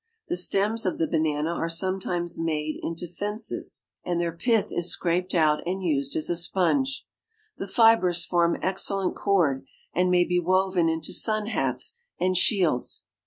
The stems of the banana are sometimes made in to fences, and their 148 AFRICA pith is scraped out and used as a sponge. The fibers form excellent cord, and may be woven into sun hats and shields.